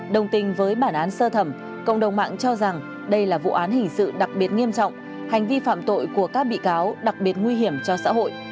đồng tình với bản án sơ thẩm cộng đồng mạng cho rằng đây là vụ án hình sự đặc biệt nghiêm trọng hành vi phạm tội của các bị cáo đặc biệt nguy hiểm cho xã hội